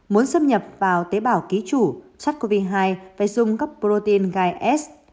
muốn xâm nhập vào tế bào ký chủ sars cov hai phải dùng các protein gai s